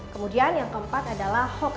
kemudian yang keempat adalah hoax